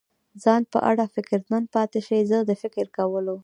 ځان په اړه فکرمند پاتې شي، زه د فکر کولو.